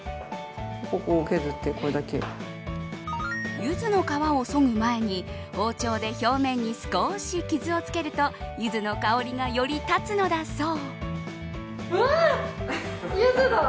ユズの皮をそぐ前に包丁で表面に少し傷をつけるとユズの香りがより立つのだそう。